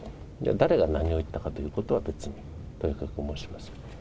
誰が何を言ったかということは、別にとやかく申しません。